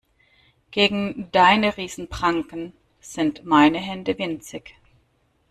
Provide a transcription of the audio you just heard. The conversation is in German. Gegen deine Riesen-Pranken sind meine Hände winzig.